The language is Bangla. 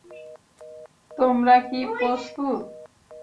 তোমরা কী প্রস্তুত?